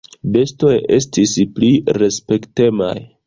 "Bestoj estis pli respektemaj."